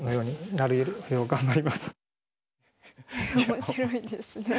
面白いですね。